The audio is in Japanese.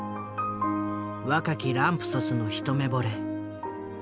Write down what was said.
若きランプソスの一目ぼれ。